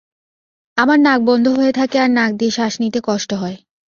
আমার নাক বন্ধ হয়ে থাকে আর নাক দিয়ে শ্বাস নিতে কষ্ট হয়।